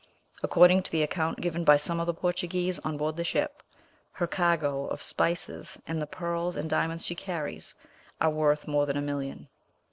According to the account given by some of the Portuguese on board the ship, her cargo of spices, and the pearls and diamonds she carries, are worth more than a million.